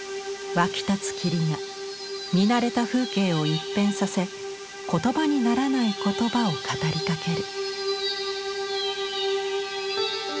湧き立つ霧が見慣れた風景を一変させ言葉にならないことばを語りかける。